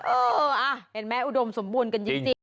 เออเห็นไหมอุดมสมบูรณ์กันจริง